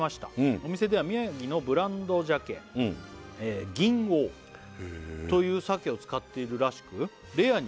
「お店では宮城のブランド鮭銀王という鮭を使っているらしく」「レアに」